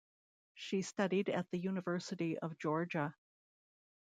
She studied at the University of Georgia.